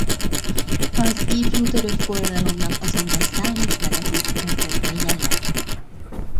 Az ifjútörök forradalomnak azonban számos negatív következménye lett.